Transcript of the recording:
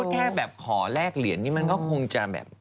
พอถ้าพูดแค่ขอแรกเหรียญนี้มันก็คงจะแบบ